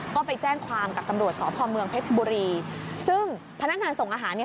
ก็ไปแจ้งความกับตำรวจสพเมืองเพชรบุรีซึ่งพนักงานส่งอาหารเนี่ย